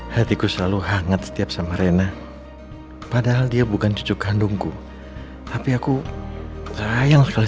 hatiku selalu hangat setiap sama rena padahal dia bukan cucu kandungku tapi aku sayang sekali